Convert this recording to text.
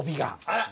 あら！